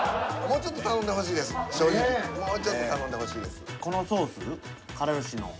もうちょっと頼んでほしいです。